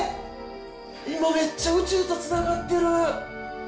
今めっちゃ宇宙とつながってる！